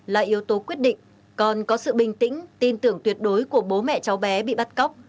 là yếu tố quyết định còn có sự bình tĩnh tin tưởng tuyệt đối của bố mẹ cháu bé bị bắt cóc